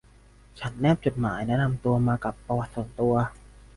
ฉันแนบจดหมายแนะนำตัวมากับปะวัติส่วนตัว